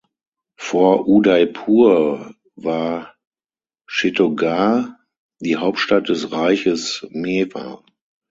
Vor Udaipur war Chittorgarh die Hauptstadt des Reiches Mewar.